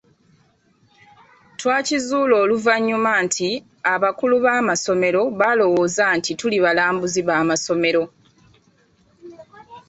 Twakizuula oluvannyuma nti abakulu b’amasomero baalowooza nti tuli balambuzi b’amasomero.